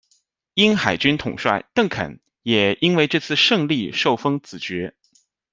英海军统帅邓肯也应为这次胜利受封子爵。